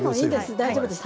大丈夫ですよ。